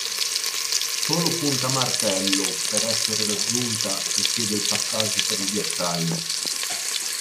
Solo punta Martello, per essere raggiunta, richiede il passaggio per il ghiacciaio.